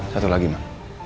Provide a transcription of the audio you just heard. satu lagi ma